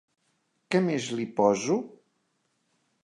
Què més li poso?